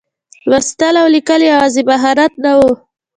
لوستل او لیکل یوازې مهارت نه و.